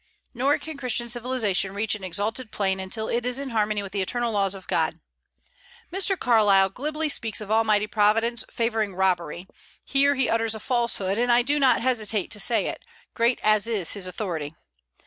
Nor can Christian civilization reach an exalted plane until it is in harmony with the eternal laws of God. Mr. Carlyle glibly speaks of Almighty Providence favoring robbery; here he utters a falsehood, and I do not hesitate to say it, great as is his authority.